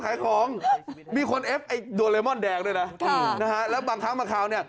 ขายของมีคนเอฟไอ้โดเรมอนแดงด้วยนะแล้วบางครั้งบางคราวเนี่ย